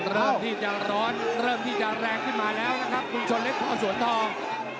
เริ่มที่จะร้อนเริ่มที่จะแรงขึ้นมาแล้วนะครับคุณชนเล็กพอสวนทอง